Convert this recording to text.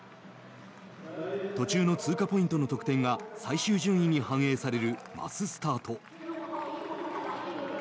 途中の通過ポイントの得点が最終順位に反映されるマススタート。